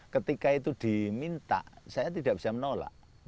ketika itu diminta saya tidak bisa menolak